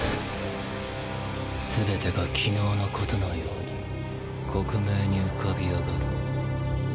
全てが昨日の事のように克明に浮かび上がる